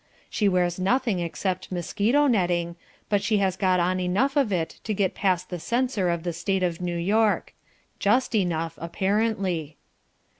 She wears nothing except mosquito netting, but she has got on enough of it to get past the censor of the State of New York. Just enough, apparently.